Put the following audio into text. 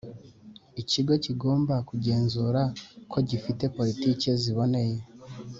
Ikigo kigomba kugenzura ko gifite politiki ziboneye